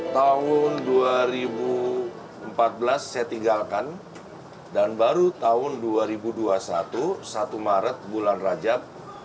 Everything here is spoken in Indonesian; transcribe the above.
tahun dua ribu empat belas saya tinggalkan dan baru tahun dua ribu dua puluh satu satu maret bulan rajab